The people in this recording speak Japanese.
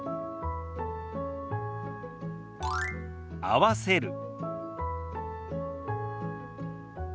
「合わせる」。